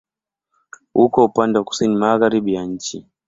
Uko upande wa kusini-magharibi ya nchi.